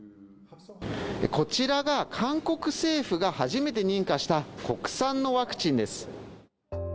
こちらが韓国政府が初めて認可した国産のワクチンです。